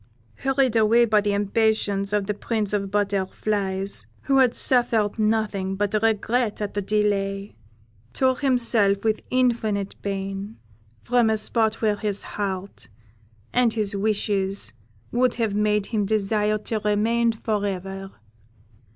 Hurried away by the impatience of the Prince of the Butterflies, who had suffered nothing but regret at the delay, he tore himself, with infinite pain, from a spot where his heart and his wishes would have made him desire to remain for ever.